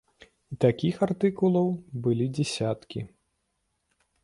І такіх артыкулаў былі дзясяткі.